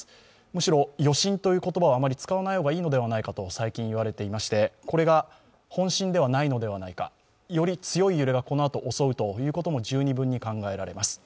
むしろ、余震という言葉はあまり使わない方がいいのではないかと最近言われていまして、これが本震ではないのではないか、より強い揺れがこのなと襲うということも十二分に考えられます。